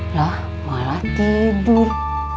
loh malah tidur